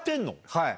はい。